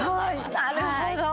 なるほど。